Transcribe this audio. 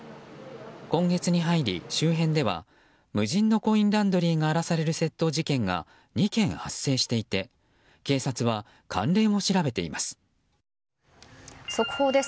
今月に入り周辺では無人のコインランドリーが荒らされる窃盗事件が２件発生していて速報です。